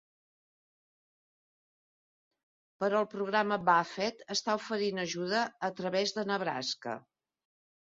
Però el programa Buffett està oferint ajuda a través de Nebraska.